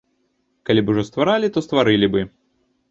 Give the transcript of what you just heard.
Калі б ужо стваралі, то стварылі бы.